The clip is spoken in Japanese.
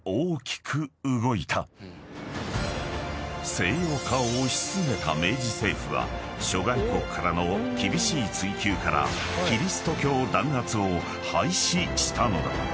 ［西洋化を推し進めた明治政府は諸外国からの厳しい追及からキリスト教弾圧を廃止したのだ］